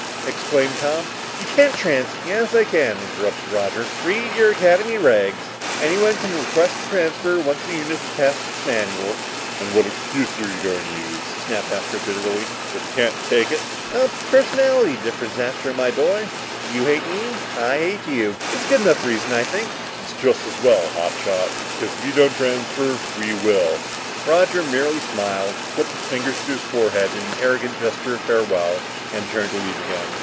exclaimed Tom. "You can't trans " "Yes, I can," interrupted Roger. "Read your Academy regs. Anyone can request a transfer once the unit has passed its manuals." "And what excuse are you going to use," snapped Astro bitterly. "That you can't take it?" "A personality difference, Astro, my boy. You hate me and I hate you. It's a good enough reason, I think." "It's just as well, hot shot," replied Astro. "Because if you don't transfer, we will!" Roger merely smiled, flipped his fingers to his forehead in an arrogant gesture of farewell and turned to leave again.